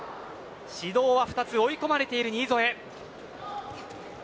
指導は２つ追い込まれている新添です。